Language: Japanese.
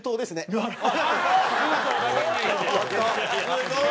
すごーい！